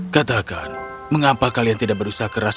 katakan mengapa kalian tidak berusaha keras